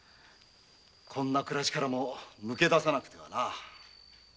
こんな暮らしからも抜け出さなくてはな。